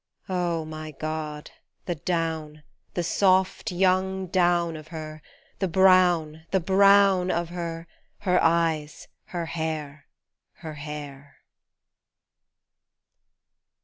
Oh ! my God ! the down, The soft young down of her, the brown, The brown of her her eyes, her hair, her hair